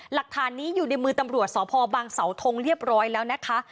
หลักฐานนี้อยู่ในมือตำรวจสพบังเสาทงเรียบร้อยแล้วนะคะ